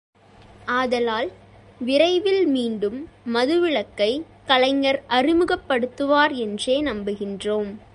ஆதலால், விரைவில் மீண்டும் மதுவிலக்கை கலைஞர் அறிமுகப்படுத்துவார் என்றே நம்புகின்றோம்.